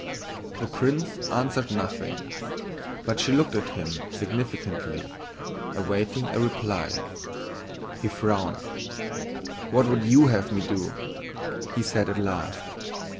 The prince answered nothing, but she looked at him significantly, awaiting a reply. He frowned. "What would you have me do?" he said at last.